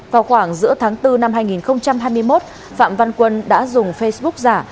vào khoảng giữa tháng bốn năm hai nghìn hai mươi một phạm văn quân đã dùng facebook giả